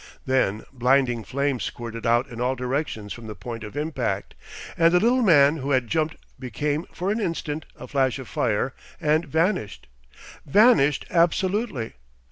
Then blinding flames squirted out in all directions from the point of impact, and the little man who had jumped became, for an instant, a flash of fire and vanished vanished absolutely.